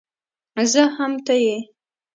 زه هم ته يې